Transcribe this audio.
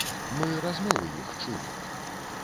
Мы размовы іх чулі.